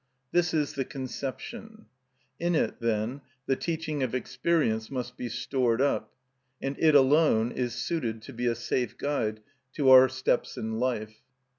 This is the conception. In it, then, the teaching of experience must be stored up, and it alone is suited to be a safe guide to our steps in life.